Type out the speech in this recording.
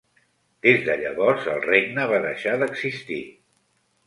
Des de llavors el regne va deixar d'existir.